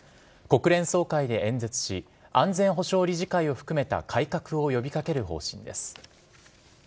国連総会で演説し、安全保障理事会を含めた改革を呼びかける方針です。